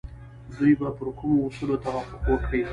دوی به پر کومو اصولو توافق وکړي؟